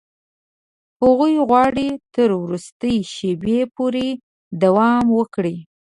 هغوی غواړي تر وروستي شېبې پورې دوام ورکړي.